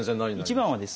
１番はですね